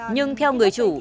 nhưng theo người chủ